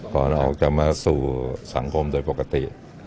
ก่อนออกจะมาสู่สังคมโดยปกติ